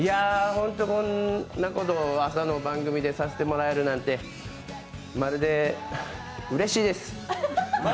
本当にこんなこと朝の番組でさせてもらえるなんてまるでうれしいです。